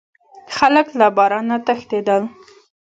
خلک له بار نه وتښتیدل.